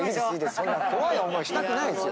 そんな怖い思いしたくないですよ。